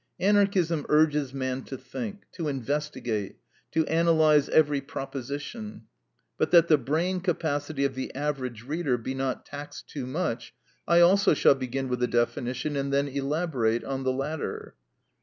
Anarchism urges man to think, to investigate, to analyze every proposition; but that the brain capacity of the average reader be not taxed too much, I also shall begin with a definition, and then elaborate on the latter.